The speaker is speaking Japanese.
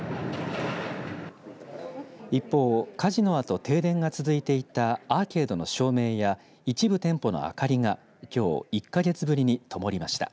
一方、火事のあと停電が続いていたアーケードの照明や一部店舗の明かりが、きょう１か月ぶりにともりました。